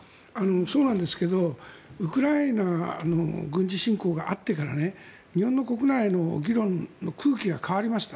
そうなんですがウクライナの軍事侵攻があってから日本の国内の議論の空気が変わりました。